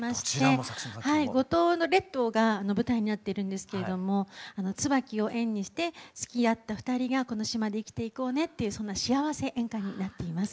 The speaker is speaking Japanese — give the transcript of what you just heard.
五島列島が舞台になってるんですけれども椿を縁にして好き合った２人がこの島で生きていこうねっていうそんな幸せ演歌になっています。